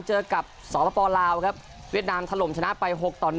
เจอกับสปลาวครับเวียดนามถล่มชนะไป๖ต่อ๑